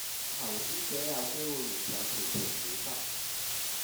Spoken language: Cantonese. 投資者有機會蒙受全盤損失